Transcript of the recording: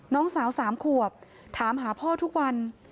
น้องสาว๓ขวบถามหาพ่อทุกวัน